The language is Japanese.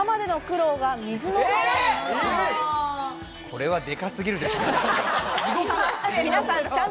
これはでかすぎるでしょ。